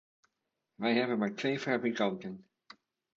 Wij hebben maar twee fabrikanten.